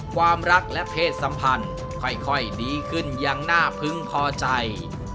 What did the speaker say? ความรักและเพศสัมพันธ์ค่อยดีขึ้นอย่างน่าพึงพอใจ